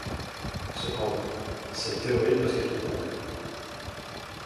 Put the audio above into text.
Cependant, cette théorie pose quelques problèmes.